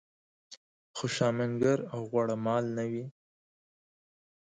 خوشامنګر او غوړه مال نه وي.